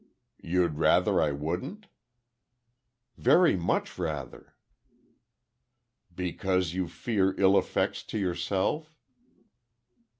"You'd rather I wouldn't?" "Very much rather." "Because you fear ill effects to yourself?"